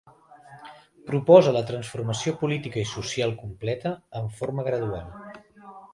Proposa la transformació política i social completa en forma gradual.